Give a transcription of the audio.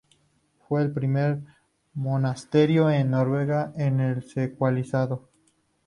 Fue el primer monasterio en Noruega en ser secularizado.